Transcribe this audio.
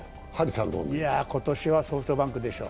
今年はソフトバンクでしょう。